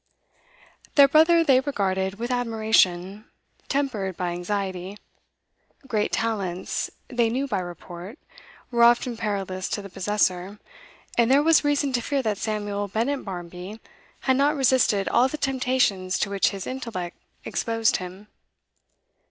Their brother they regarded with admiration, tempered by anxiety. 'Great talents,' they knew by report, were often perilous to the possessor, and there was reason to fear that Samuel Bennett Barmby had not resisted all the temptations to which his intellect exposed him.